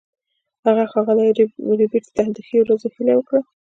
هغه ښاغلي ربیټ ته د ښې ورځې هیله وکړه